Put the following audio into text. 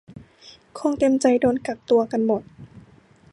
คงเต็มใจโดนกักตัวกันหมด